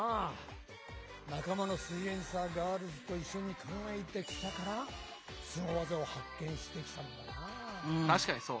仲間のすイエんサーガールズと一緒に考えてきたからスゴ技を発見してきたんだなぁ。